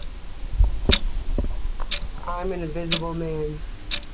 I'm an invisible man.